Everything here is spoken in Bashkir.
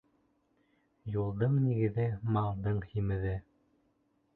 Юлдың нигеҙе, малдың һимеҙе